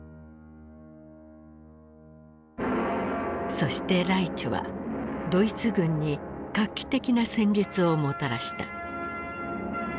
そしてライチュはドイツ軍に画期的な戦術をもたらした。